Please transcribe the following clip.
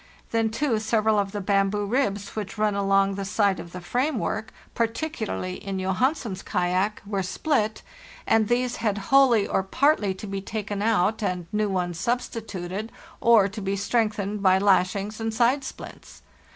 Then, too, several of the bamboo ribs which run along the side of the framework (particularly in 242 FARTHEST NORTE Johansen's kayak) were split, and these had wholly or partly to be taken out and new ones substituted, or to be strengthened by lashings and side splints.